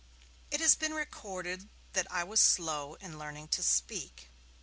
It has been recorded that I was slow in learning to speak.